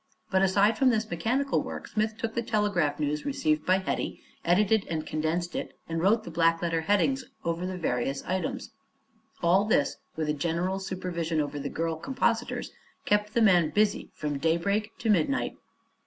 But aside from this mechanical work Smith took the telegraphic news received by Hetty, edited and condensed it and wrote the black letter headings over the various items. All this, with a general supervision over the girl compositors, kept the man busy from daybreak to midnight.